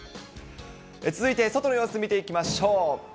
続いて、外の様子を見ていきましょう。